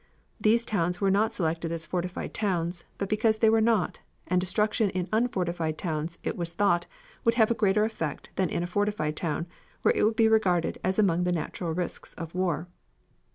These towns were not selected as fortified towns, but because they were not, and destruction in unfortified towns it was thought would have a greater effect than in a fortified town where it would be regarded as among the natural risks of war.